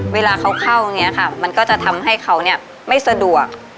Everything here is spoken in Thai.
เวลาเขาเข้าอย่างนี้ค่ะมันก็จะทำให้เขาไม่สะดวก